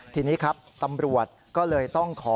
ทีนี้ครับตำรวจก็เลยต้องขอ